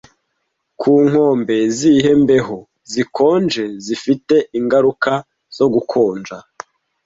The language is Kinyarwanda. Ku nkombe zihe mbeho zikonje zifite ingaruka zo gukonja